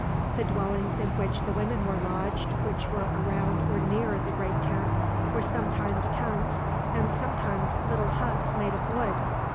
The dwellings in which the women were lodged, which were around or near the great tent, were sometimes tents, and sometimes little huts made of wood.